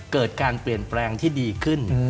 เกิดการเปลี่ยนแปลงที่ดีขึ้น